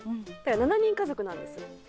７人家族なんですよ